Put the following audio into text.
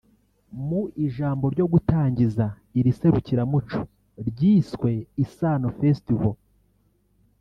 Mu ijambo ryo gutangiza iri serukiramuco ryiswe Isaano Festival